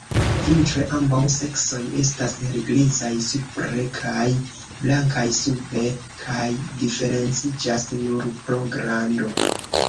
Vintre ambaŭ seksoj estas helgrizaj supre kaj blankaj sube kaj diferenciĝas nur pro grando.